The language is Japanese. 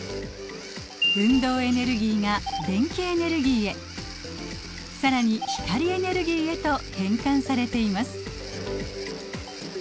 運動エネルギーが電気エネルギーへ更に光エネルギーへと変換されています。